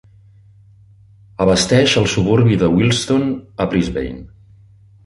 Abasteix el suburbi de Wilston a Brisbane.